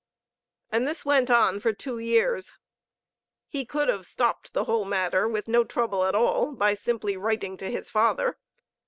And this went on for two years. He could have stopped the whole matter with no trouble at all, by simply writing to his father.